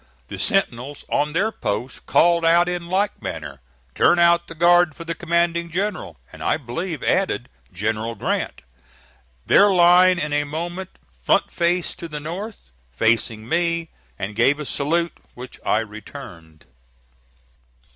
The sentinel on their post called out in like manner, "Turn out the guard for the commanding general," and, I believe, added, "General Grant." Their line in a moment front faced to the north, facing me, and gave a salute, which I returned.